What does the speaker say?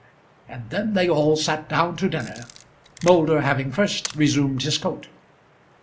And then they all sat down to dinner, Moulder having first resumed his coat.